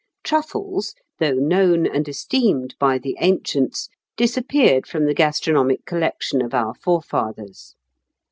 Truffles, though known and esteemed by the ancients, disappeared from the gastronomie collection of our forefathers.